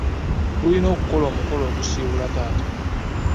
Tulina okukola omukolo ogusiibula taata.